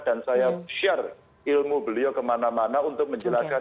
dan saya share ilmu beliau kemana mana untuk menjelaskan